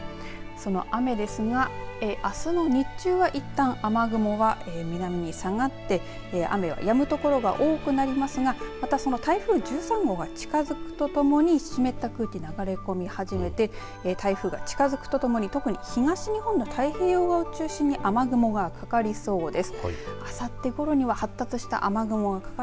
その雨ですがあすの日中はいったん雨雲は南に下がって雨はやむところが多くなりますがまたその台風１３号が近づくとともに湿った空気が流れ込み始めて台風が近づくとともに特に東日本の太平洋側を中心に雨雲がかかりそうです。